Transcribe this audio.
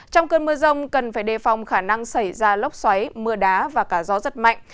trong cơn mưa rông cần phải đề phòng khả năng xảy ra lốc xoáy mưa đá và cả gió giật mạnh